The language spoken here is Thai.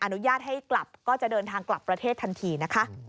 อนุญาตให้กลับก็จะเดินทางกลับประเทศทันทีนะคะ